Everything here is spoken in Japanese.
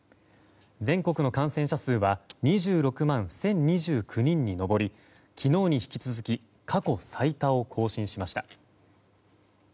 全国の感染者数は２６万１０２９人に上り昨日に引き続き過去最多を更新しました。